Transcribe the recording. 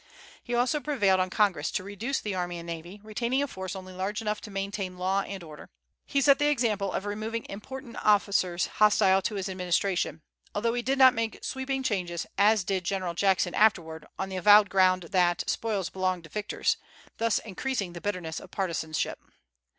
He also prevailed on Congress to reduce the army and navy, retaining a force only large enough to maintain law and order. He set the example of removing important officers hostile to his administration, although he did not make sweeping changes, as did General Jackson afterward, on the avowed ground that "spoils belong to victors," thus increasing the bitterness of partisanship.